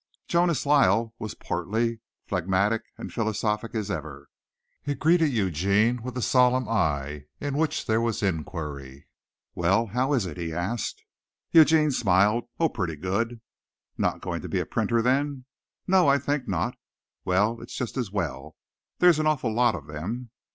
Jonas Lyle was as portly, phlegmatic and philosophic as ever. He greeted Eugene with a solemn eye in which there was inquiry. "Well, how is it?" he asked. Eugene smiled. "Oh, pretty good." "Not going to be a printer, then?" "No, I think not." "Well, it's just as well, there're an awful lot of them."